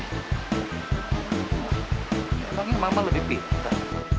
pak ya memangnya mama lebih pintar